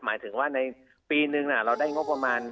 หมายถึงว่าในปีนึงเราได้งบประมาณ